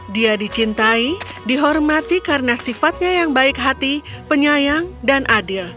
dia dicintai dihormati karena sifatnya yang baik hati penyayang dan adil